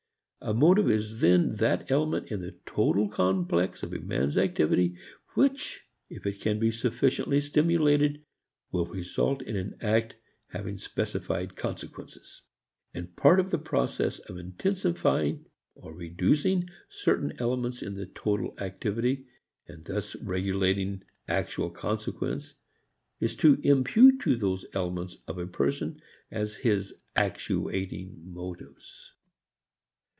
A motive is then that element in the total complex of a man's activity which, if it can be sufficiently stimulated, will result in an act having specified consequences. And part of the process of intensifying (or reducing) certain elements in the total activity and thus regulating actual consequence is to impute these elements to a person as his actuating motives.